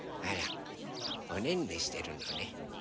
あらおねんねしてるのね。